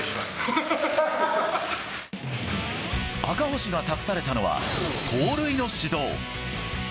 赤星が託されたのは盗塁の指導。